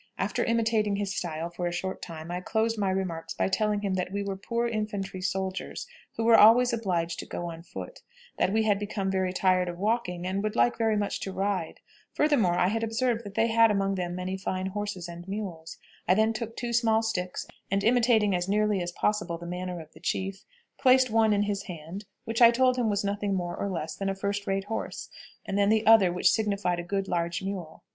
After imitating his style for a short time, I closed my remarks by telling him that we were poor infantry soldiers, who were always obliged to go on foot; that we had become very tired of walking, and would like very much to ride. Furthermore, I had observed that they had among them many fine horses and mules. I then took two small sticks, and imitating as nearly as possible the manner of the chief, placed one in his hand, which I told him was nothing more or less than a first rate horse, and then the other, which signified a good large mule.